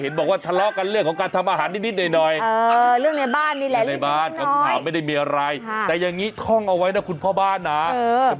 เห็นบอกว่าทะเลาะกันเรื่องของการทำอาหารนิดหน่อย